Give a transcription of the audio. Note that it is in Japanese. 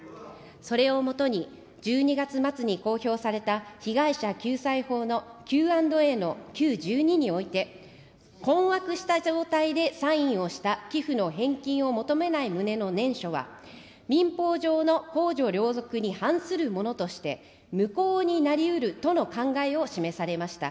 それを基に、１２月末に公表された被害者救済法のＱ＆ＡのＱ１２において、困惑した状態でサインをした寄付の返金を求めない旨の念書は、民法上の公序良俗に反するものとして、無効になりうるとの考えを示されました。